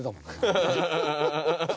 ハハハハ！